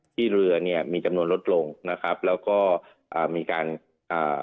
เรือเนี้ยมีจำนวนลดลงนะครับแล้วก็อ่ามีการอ่า